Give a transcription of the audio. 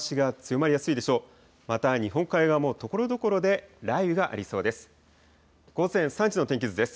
また日本海側もところどころで雷雨がありそうです。